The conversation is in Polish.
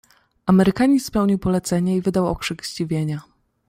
"Amerykanin spełnił polecenie i wydał okrzyk zdziwienia."